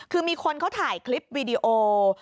คือมีคนเขาถ่ายคลิปวีดีโอ